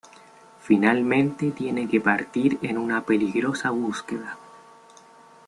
Finalmente tiene que partir en una peligrosa búsqueda.